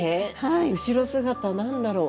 後ろ姿何だろう。